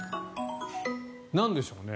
なんでしょうね。